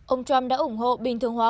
ông trump đã ủng hộ bình thường hòa hợp